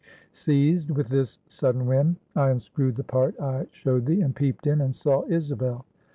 Seized with this sudden whim, I unscrewed the part I showed thee, and peeped in, and saw 'Isabel.'